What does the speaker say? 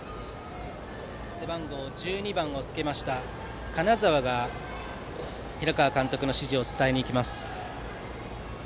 背番号１２番をつけました金澤が平川監督の指示を伝えに行きます。